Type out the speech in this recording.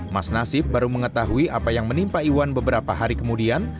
mas nasib baru mengetahui apa yang menimpa iwan beberapa hari kemudian